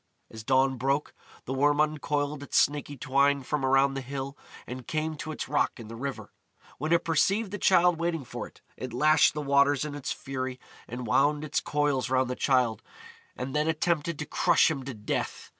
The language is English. As dawn broke, the Worm uncoiled its snaky twine from around the hill, and came to its rock in the river. When it perceived the Childe waiting for it, it lashed the waters in its fury and wound its coils round the Childe, and then attempted to crush him to death.